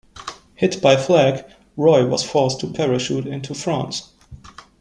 Hit by flak, Roy was forced to parachute into France.